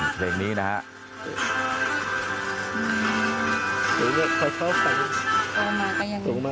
เพลงนี้นะฮะ